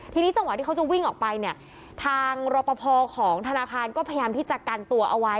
ทีนี้จังหวะที่เขาจะวิ่งออกไปเนี่ยทางรอปภของธนาคารก็พยายามที่จะกันตัวเอาไว้